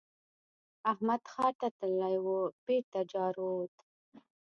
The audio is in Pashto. احمد ښار ته تللی وو؛ بېرته جارووت.